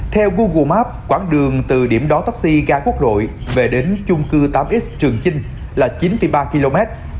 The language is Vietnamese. theo google maps quãng đường từ điểm đó taxi gà quốc đội về đến chung cư tám x trường chinh là chín ba km